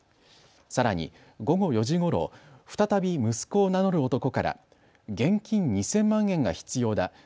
さらに午後４時ごろ、再び息子を名乗る男から現金２０００万円が必要だ。